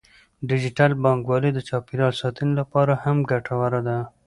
ډیجیټل بانکوالي د چاپیریال ساتنې لپاره هم ګټوره ده.